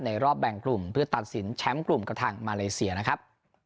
รอบแบ่งกลุ่มเพื่อตัดสินแชมป์กลุ่มกับทางมาเลเซียนะครับ